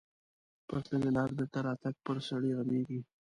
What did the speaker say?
پر تللې لارې بېرته راتګ پر سړي غمیږي.